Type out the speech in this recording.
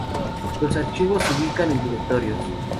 Los archivos se ubican en directorios.